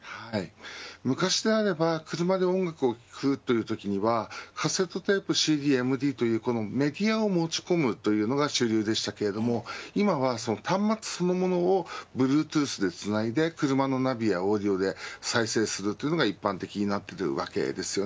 昔であれば車で音楽を聴くというときにはカセットテープ、ＣＤ、ＭＤというメディアを持ち込むということが主流でしたが今は端末そのものをＢｌｕｅｔｏｏｔｈでつないで車のナビやオーディオで再生するというのが一般的になっているわけです。